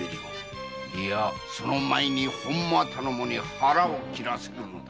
いやその前に本間頼母に腹を切らせるのだ。